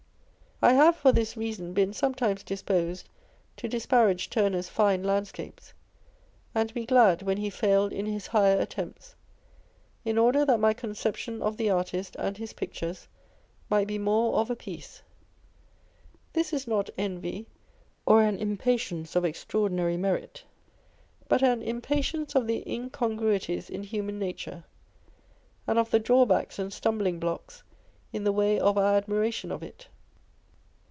I have for this reason been sometimes disposed to disparage Turner's fine landscapes, and be glad when he failed in his higher attempts, in order that my conception of the artist and his pictures might be more of a piece. This is not envy or an im patience of extraordinary merit, but an impatience of the incongruities in human nature, and of the drawbacks and stumbling blocks in the way of our admiration of it.